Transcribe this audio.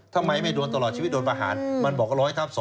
ทำไมไม่โดนตลอดชีวิตโดนประหารมันบอกว่า๑๐๐ทับ๒